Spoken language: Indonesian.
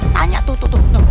tanya tuh tuh tuh tuh